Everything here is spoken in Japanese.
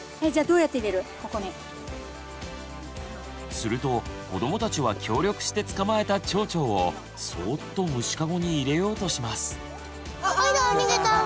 すると子どもたちは協力して捕まえたちょうちょうをそぉっと虫かごに入れようとします。